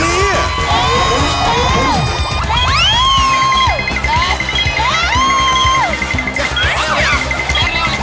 เอ้ยไม่ถึงไปเร็ว